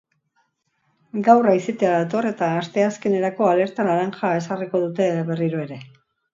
Gaur haizetea dator eta asteazkenerako alerta laranja ezarriko dute berriro ere.